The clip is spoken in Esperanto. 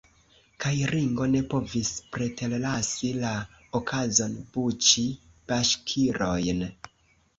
Kaj Ringo ne povis preterlasi la okazon buĉi baŝkirojn.